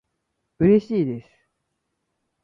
うれしいです